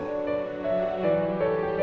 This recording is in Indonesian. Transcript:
ketemu sama siapa